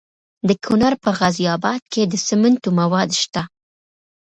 د کونړ په غازي اباد کې د سمنټو مواد شته.